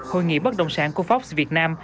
hội nghị bất động sản của forbes việt nam